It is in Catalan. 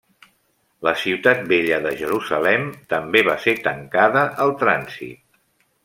La ciutat vella de Jerusalem també va ser tancada al trànsit.